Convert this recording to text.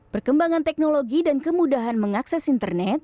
perkembangan teknologi dan kemudahan mengakses internet